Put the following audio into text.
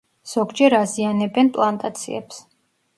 ზოგჯერ აზიანებენ პლანტაციებს.